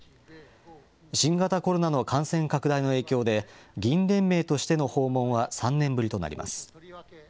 新型コロナの感染拡大の影響で、議員連盟としての訪問は３年ぶりとなります。